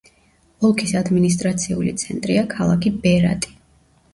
ოლქის ადმინისტრაციული ცენტრია ქალაქი ბერატი.